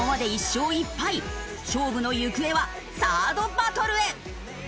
勝負の行方は３ｒｄバトルへ。